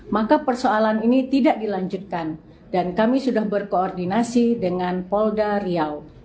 maka persoalan ini tidak dilanjutkan dan kami sudah berkoordinasi dengan polda riau